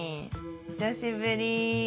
久しぶり。